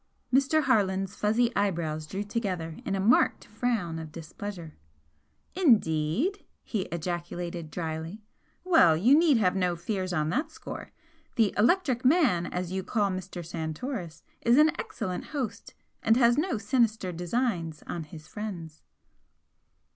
Mr. Harland's fuzzy eyebrows drew together in a marked frown of displeasure. "Indeed!" he ejaculated, drily "Well, you need have had no fears on that score. The 'electric man,' as you call Mr. Santoris, is an excellent host and has no sinister designs on his friends."